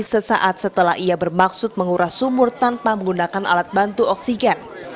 sesaat setelah ia bermaksud menguras sumur tanpa menggunakan perangkat